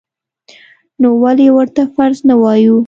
نو ولې ورته فرض نه وایو؟